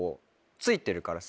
ついてるからさ。